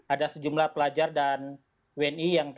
ada sejumlah pelajar dan wni yang